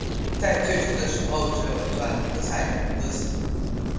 在最初的时候只有一段科萨语歌词。